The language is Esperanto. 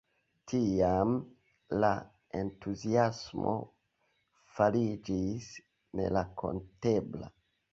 Tiam la entuziasmo fariĝis nerakontebla.